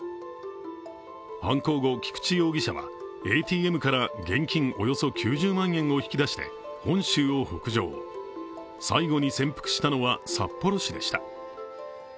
犯行後、菊池容疑者はＡＴＭから現金およそ９０万円を引き出して本州を北上、最後に潜伏したのは札幌市でした。